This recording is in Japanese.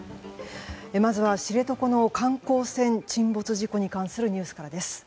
まずは知床の観光船沈没事故に関するニュースからです。